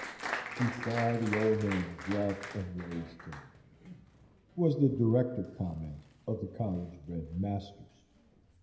"She saw the old man's bluff and raised him," was the directer comment of the college bred Masters.